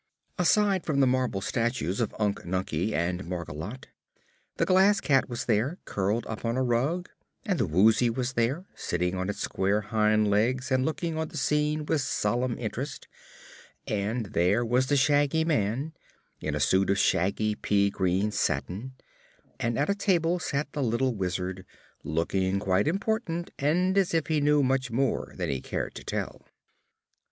Aside from the marble statues of Unc Nunkie and Margolotte, the Glass Cat was there, curled up on a rug; and the Woozy was there, sitting on its square hind legs and looking on the scene with solemn interest; and there was the Shaggy Man, in a suit of shaggy pea green satin, and at a table sat the little Wizard, looking quite important and as if he knew much more than he cared to tell.